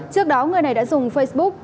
trước đó người này đã dùng facebook